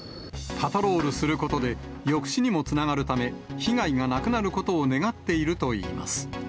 パトロールすることで抑止にもつながるため、被害がなくなることを願っているといいます。